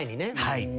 はい。